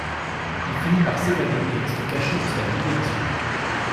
Il finit par s'évader et reste caché jusqu'à la Libération.